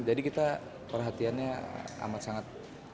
jadi kita perhatiannya amat sangat